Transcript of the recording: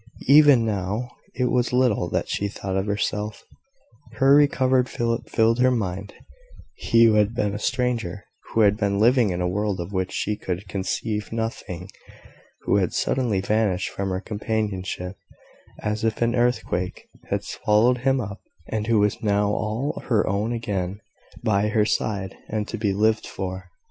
Even now, it was little that she thought of herself: her recovered Philip filled her mind he who had been a stranger who had been living in a world of which she could conceive nothing who had suddenly vanished from her companionship, as if an earthquake had swallowed him up and who was now all her own again, by her side, and to be lived for.